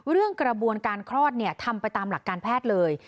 เรื่องกระบวนการคลอดทำไปตามหลักการแพทย์เลย